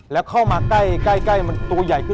แล้วเข้ามาใกล้มันตัวใหญ่ขึ้น